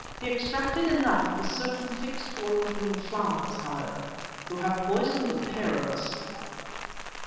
He extracted enough of a certain fixed oil from the flowers, however, to have poisoned the pair of us!"